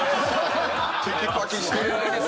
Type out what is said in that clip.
テキパキしてるな。